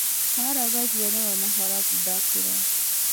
هره ورځ یو نوی مهارت زده کړه.